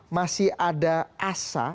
masih ada asa